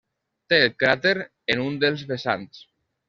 Té el cràter en un dels vessants.